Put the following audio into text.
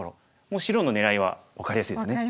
もう白の狙いは分かりやすいですね。